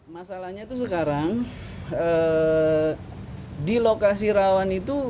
masalahnya itu sekarang di lokasi rawan itu